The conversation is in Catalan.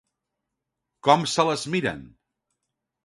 Com se les miren?